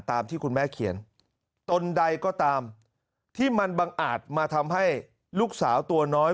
ตามที่คุณแม่เขียนตนใดก็ตามที่มันบังอาจมาทำให้ลูกสาวตัวน้อย